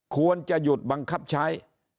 ควรจะหยุดบังคับใช้